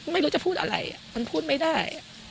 ไม่รู้จะพูดอะไรมันพูดไม่ได้